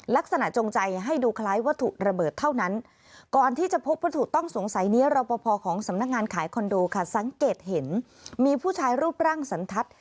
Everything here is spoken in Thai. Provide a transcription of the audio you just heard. จงใจให้ดูคล้ายวัตถุระเบิดเท่านั้นก่อนที่จะพบวัตถุต้องสงสัยนี้รอปภของสำนักงานขายคอนโดค่ะสังเกตเห็นมีผู้ชายรูปร่างสันทัศน์